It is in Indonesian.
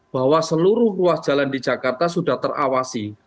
bahwa seluruh ruas jalan di jakarta sudah terawasi